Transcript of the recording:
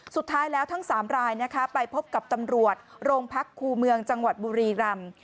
สุดท้ายแล้วทั้ง๓รายนะคะไปพบกับตำรวจโรงพักครูเมืองจังหวัดบุรีรำ